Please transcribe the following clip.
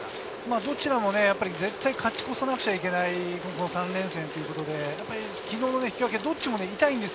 どちらも絶対勝ち越さなくちゃいけない３連戦ということで、昨日の引き分け、どっちも痛いんです。